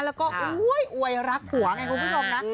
แล้วก็อวยรักผัวไงคุณผู้ชมนะ